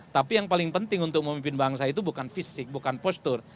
tapi yang paling penting untuk memimpin bangsa itu bukan fisik bukan postur